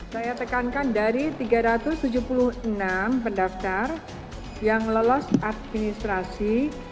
saya tekankan dari tiga ratus tujuh puluh enam pendaftar yang lolos administrasi satu ratus sembilan puluh dua